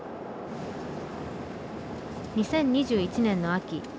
２０２１年の秋。